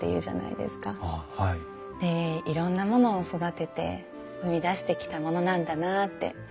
でいろんなものを育てて生み出してきたものなんだなあって。